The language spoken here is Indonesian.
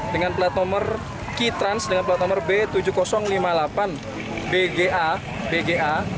dengan plat nomor kitrans dengan plat nomor b tujuh ribu lima puluh delapan bga